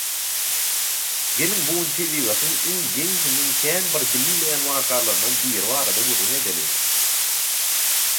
Geliň bügün tebigatyň iň geň hemem kän bir bilinmeýän wakalaryndan biri barada gürrüň edeliň.